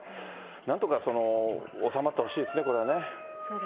なんとか収まってほしいですね、これはね。